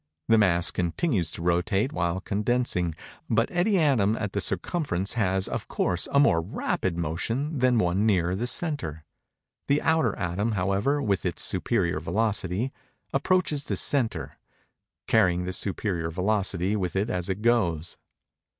The mass continues to rotate while condensing. But any atom at the circumference has, of course, a more rapid motion than one nearer the centre. The outer atom, however, with its superior velocity, approaches the centre; carrying this superior velocity with it as it goes.